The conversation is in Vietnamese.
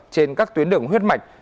trên các tuyến đường huyết mạch